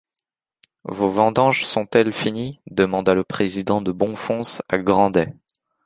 Vos vendanges sont-elles finies? demanda le président de Bonfons à Grandet.